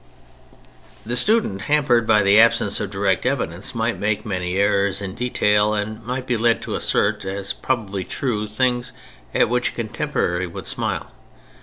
The student hampered by the absence of direct evidence might make many errors in detail and might be led to assert, as probably true, things at which a contemporary would smile.